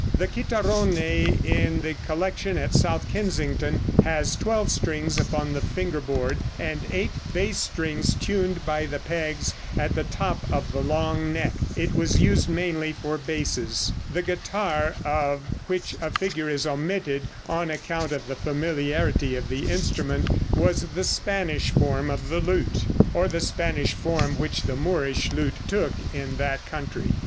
The chitarrone in the collection at South Kensington has twelve strings upon the finger board, and eight bass strings tuned by the pegs at the top of the long neck. It was used mainly for basses. The guitar, of which a figure is omitted on account of the familiarity of the instrument, was the Spanish form of the lute, or the Spanish form which the Moorish lute took in that country.